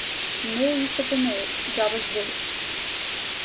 Не е исто по мејл, џабе збориш.